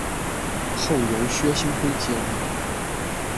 后由薛星辉接任。